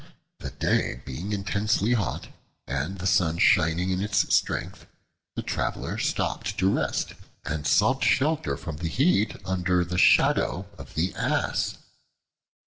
The day being intensely hot, and the sun shining in its strength, the Traveler stopped to rest, and sought shelter from the heat under the Shadow of the Ass.